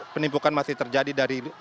penimpukan masih terjadi dari